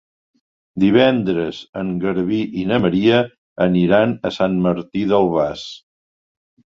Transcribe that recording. Divendres en Garbí i na Maria aniran a Sant Martí d'Albars.